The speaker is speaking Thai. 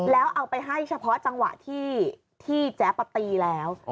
แล้วเอาไปให้เฉพาะจังหวะที่แจ๊บตีแล้ว